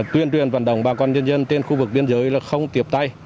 tuyên truyền vận động bà con nhân dân trên khu vực biên giới là không tiếp tay